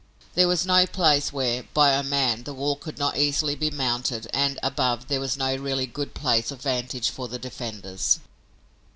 There was no place where, by a man, the wall could not easily be mounted and, above, there was no really good place of vantage for the defenders.